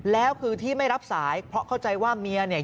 แล้วคือที่ไม่รับสายเพราะเข้าใจว่าเมียเนี่ย